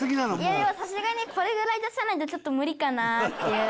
いやいやさすがにこれぐらい出さないとちょっと無理かなっていう。